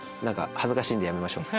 恥ずかしいんでやめましょう。